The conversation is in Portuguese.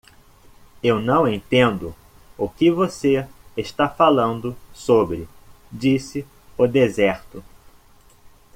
"Eu não entendo o que você está falando sobre?", disse o deserto.